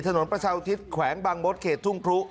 ถนนประชาอุทิศแขวงบางมดเขตทุ่งครุ